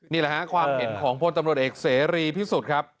นี่แหละฮะความเห็นของพลตำรวจเอกเสรีพิสุทธิ์ครับ